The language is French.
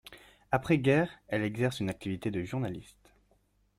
Après guerre, elle exerce une activité de journaliste.